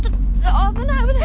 危ない危ない。